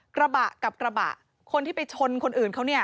กระบะกับกระบะคนที่ไปชนคนอื่นเขาเนี่ย